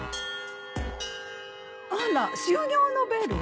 あら終業のベル？